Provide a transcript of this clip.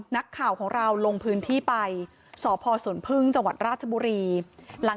นักข่าวของเราลงพื้นที่ไปสพสวนพึ่งจังหวัดราชบุรีหลัง